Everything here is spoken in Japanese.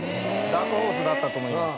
ダークホースだったと思います。